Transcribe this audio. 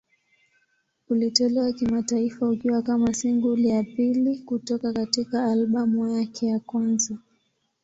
Ulitolewa kimataifa ukiwa kama single ya pili kutoka katika albamu yake ya kwanza.